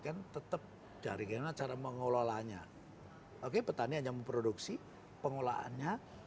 kuantitas daripada produksinya